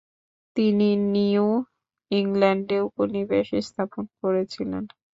তিনি নিউ ইংল্যান্ডে উপনিবেশ স্থাপন করেছিলেন।